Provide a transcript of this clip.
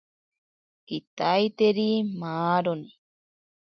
Kitaiteri maaroni.